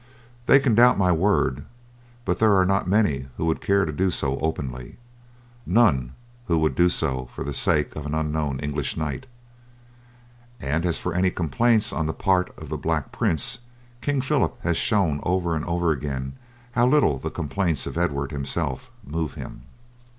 They can doubt my word; but there are not many who would care to do so openly; none who would do so for the sake of an unknown English knight. And as for any complaints on the part of the Black Prince, King Phillip has shown over and over again how little the complaints of Edward himself move him."